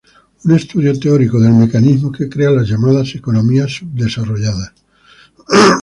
Un estudio teórico del mecanismo que crea las llamadas economías subdesarrolladas.